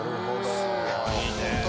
すごいね。